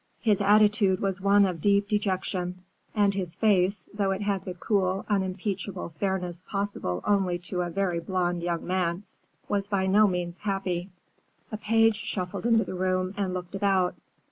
His attitude was one of deep dejection, and his face, though it had the cool, unimpeachable fairness possible only to a very blond young man, was by no means happy. A page shuffled into the room and looked about.